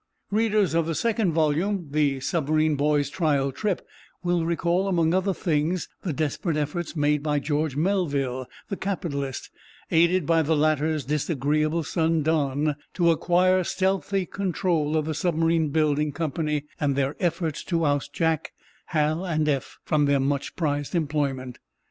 Readers of the second volume, "The Submarine Boys' Trial Trip," will recall, among other things, the desperate efforts made by George Melville, the capitalist, aided by the latter's disagreeable son, Don, to acquire stealthy control of the submarine building company, and their efforts to oust Jack, Hal and Eph from their much prized employment.